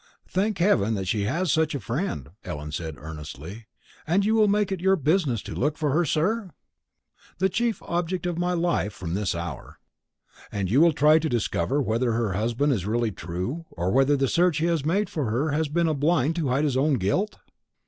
"Thank heaven that she has such a friend," Ellen said earnestly. "And you will make it your business to look for her, sir?" "The chief object of my life, from this hour." "And you will try to discover whether her husband is really true, or whether the search that he has made for her has been a blind to hide his own guilt?"